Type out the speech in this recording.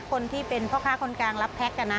คนที่เป็นพ่อค้าคนกลางรับแพ็ค